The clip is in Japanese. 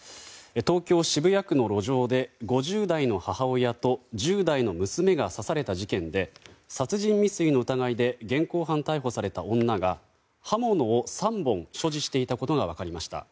東京・渋谷区の路上で５０代の母親と１０代の娘が刺された事件で殺人未遂の疑いで現行犯逮捕された女が刃物を３本、所持していたことが分かりました。